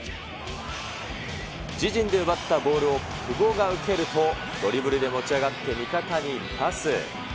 自陣で奪ったボールを久保が受けると、ドリブルで持ち上がって、味方にパス。